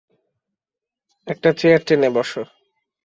একটা চেয়ার টেনে বসো।